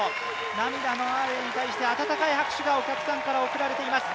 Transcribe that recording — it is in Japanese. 涙のアーレイに対して温かい拍手がお客さんから送られています。